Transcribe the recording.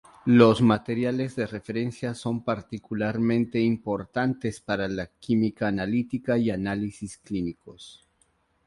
Los materiales de referencia son particularmente importantes para la química analítica y análisis clínicos.